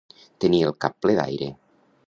Tenir el cap ple d'aire.